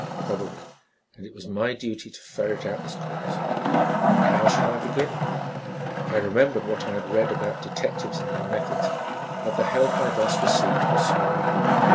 Probably, and it was my duty to ferret out this cause. But how should I begin? I remembered what I had read about detectives and their methods, but the help I thus received was small.